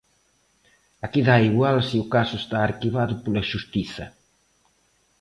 Aquí dá igual se o caso está arquivado pola xustiza.